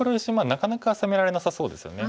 なかなか攻められなさそうですよね。